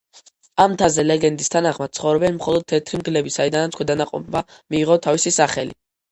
ამ მთაზე ლეგენდის თანახმად ცხოვრობენ მხოლოდ თეთრი მგლები, საიდანაც ქვედანაყოფმა მიიღო თავისი სახელი.